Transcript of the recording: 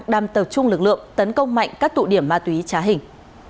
đang tập trung lực lượng tấn công mạnh các tụ điểm ma túy trá hình